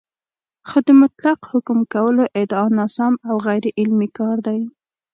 خو د مطلق حکم کولو ادعا ناسم او غیرعلمي کار دی